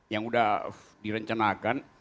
yang udah direncanakan